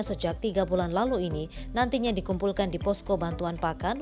sejak tiga bulan lalu ini nantinya dikumpulkan di posko bantuan pakan